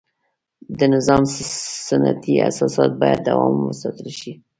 د نظام سنتي اساسات باید دوام وساتل شي.